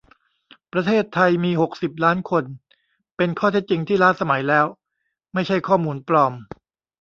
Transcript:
ประเทศไทยมีหกสิบล้านคน เป็นข้อเท็จจริงที่ล้าสมัยแล้ว ไม่ใช่ข้อมูลปลอม